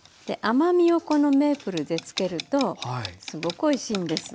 甘みをこのメープルでつけるとすごくおいしいんです。